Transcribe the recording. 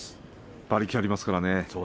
馬力がありますからね